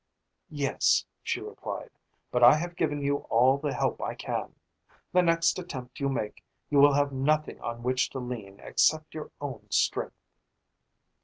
"Yes," she replied. "But I have given you all the help I can. The next attempt you make, you will have nothing on which to lean except your own strength."